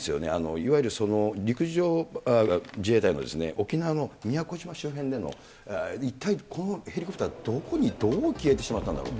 いわゆる、陸上自衛隊の、沖縄の宮古島周辺での、一体このヘリコプター、どこにどう消えてしまったんだろう。